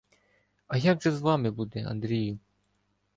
— А як же з вами буде, Андрію?